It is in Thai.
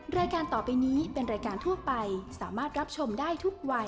รายการต่อไปนี้เป็นรายการทั่วไปสามารถรับชมได้ทุกวัย